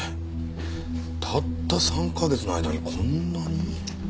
たった３カ月の間にこんなに？